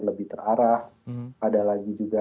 lebih terarah ada lagi juga